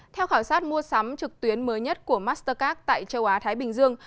theo khảo sát mua sắm trực tuyến mới nhất của mastercard tại châu á thái bình dương